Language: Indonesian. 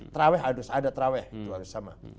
trawih harus ada trawih itu harus sama